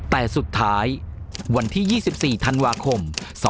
แต่สุดท้ายวันที่๒๔ธันวาคม๒๕๖๒